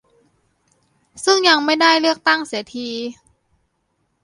ซึ่งยังไม่ได้เลือกตั้งเสียที